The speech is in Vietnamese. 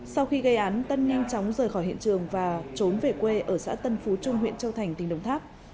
sau khi gây án tân nhanh chóng rời khỏi hiện trường và trốn về quê ở xã tân phú trung huyện châu thành tỉnh đồng tháp